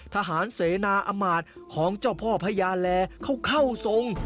ทหารเสนาอมาตย์ของเจ้าพ่อพญาแลเขาเข้าทรง